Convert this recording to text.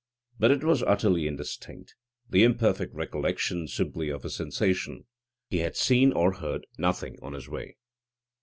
But it was utterly indistinct; the imperfect recollection simply of a sensation. He had seen or heard nothing on his way.